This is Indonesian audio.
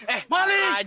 eh apa aja lu maling